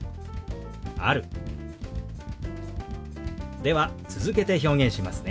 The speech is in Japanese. では続けて表現しますね。